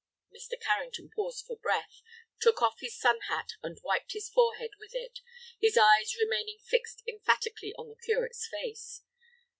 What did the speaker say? Mr. Carrington paused for breath, took off his sun hat and wiped his forehead with it, his eyes remaining fixed emphatically on the Curate's face.